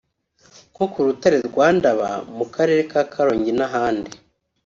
nko k’urutare rwa Ndaba mu karere ka Karongi n’ahandi